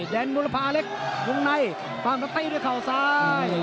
แดนบุรพาเล็กวงในฟังตัวตีด้วยเขาซ้าย